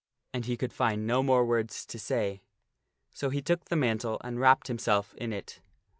And he could find no more words to say. So he took the mantle and wrapped himself in it.